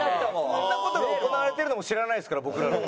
こんな事が行われてるのも知らないですから僕らの階。